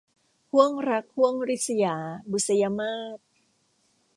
ห้วงรักห้วงริษยา - บุษยมาส